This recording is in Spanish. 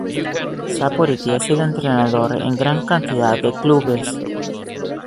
Saporiti ha sido entrenador en gran cantidad de clubes.